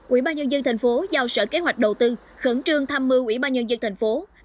ủy ban nhân dân tp hcm giao sở kế hoạch đầu tư khẩn trương thăm mưu ủy ban nhân dân tp hcm